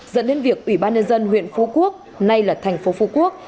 dẫn đến việc ủy ban nhân dân huyện phú quốc nay là thành phố phú quốc